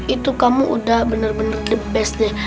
itu kamu sudah benar benar the best deh